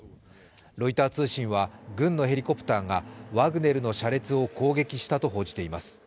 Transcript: ロイター通信は軍のヘリコプターがワグネルの車列を攻撃したと報じています。